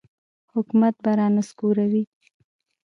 حکومت به را نسکوروي.